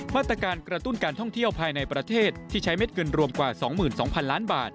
มาตรการกระตุ้นการท่องเที่ยวภายในประเทศที่ใช้เม็ดเงินรวมกว่า๒๒๐๐๐ล้านบาท